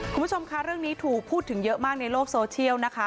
คุณผู้ชมค่ะเรื่องนี้ถูกพูดถึงเยอะมากในโลกโซเชียลนะคะ